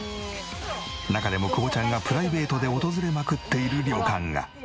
中でも久保ちゃんがプライベートで訪れまくっている旅館が。